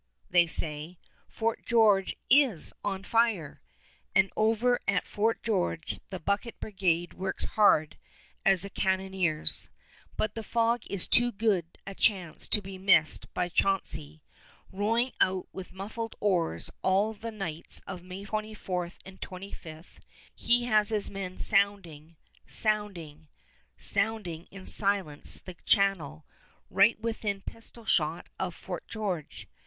they say; "Fort George is on fire"; and over at Fort George the bucket brigade works hard as the cannoneers. But the fog is too good a chance to be missed by Chauncey; rowing out with muffled oars all the nights of May 24 and 25, he has his men sounding ... sounding ... sounding in silence the channel, right within pistol shot of Fort George.